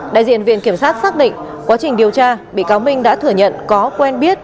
đại diện viện kiểm sát xác định quá trình điều tra bị cáo minh đã thừa nhận có quen biết